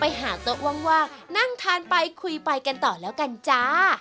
ไปหาโต๊ะว่างนั่งทานไปคุยไปกันต่อแล้วกันจ้า